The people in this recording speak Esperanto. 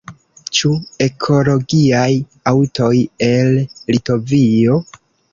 Ĉu ekologiaj aŭtoj el Litovio?